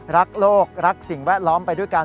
รักโลกรักสิ่งแวดล้อมไปด้วยกัน